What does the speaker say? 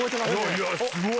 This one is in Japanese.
いやいやすごい！